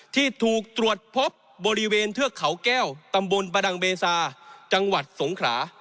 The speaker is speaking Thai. ที่ถูกตรวจพบบริเวณเทือกเขาแก้วตำบลประดังเบซาจังหวัดสงขรา